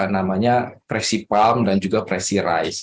namanya presi palm dan juga presi rise